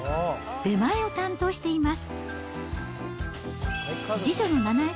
出前を担当しています。